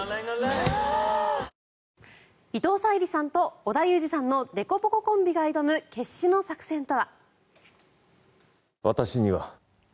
ぷはーっ伊藤沙莉さんと織田裕二さんのでこぼこコンビが挑む決死の作戦とは？